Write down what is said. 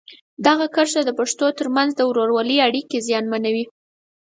دغه کرښه د پښتنو ترمنځ د ورورولۍ اړیکې زیانمنوي.